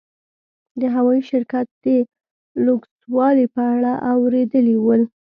د هوايي شرکت د لوکسوالي په اړه اورېدلي ول.